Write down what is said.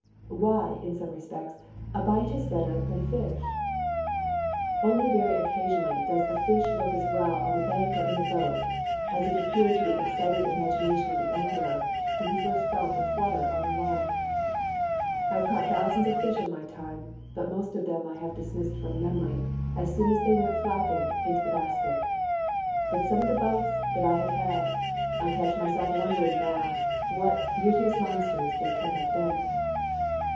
Why, in some respects, a bite is better than a fish. Only very occasionally does a fish look as well on the bank or in the boat as it appeared to the excited imagination of the angler when he first felt the flutter on the line. I have caught thousands of fish in my time; but most of them I have dismissed from memory as soon as they went flapping into the basket. But some of the bites that I have had! I catch myself wondering now what beauteous monsters they can have been.